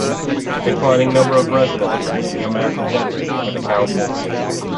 The declining number of residents is leaving a massive deficit for the council.